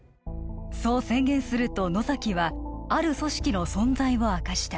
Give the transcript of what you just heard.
そう宣言すると野崎はある組織の存在を明かした